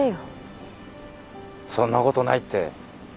そんなことないって。